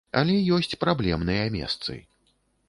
Але ёсць праблемныя месцы.